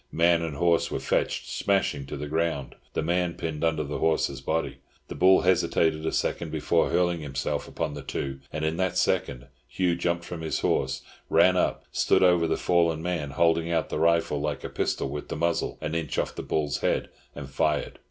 Man and horse were fetched smashing to the ground, the man pinned under the horse's body. The bull hesitated a second before hurling himself upon the two; and in that second Hugh jumped from his horse, ran up, stood over the fallen man, holding out the rifle like a pistol with the muzzle an inch off the bull's head, and fired.